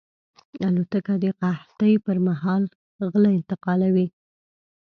الوتکه د قحطۍ پر مهال غله انتقالوي.